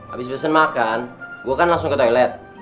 abis besen makan gua kan langsung ke toilet